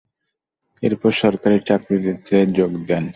এরপর সরকারি চাকুরীতে যোগ দেন।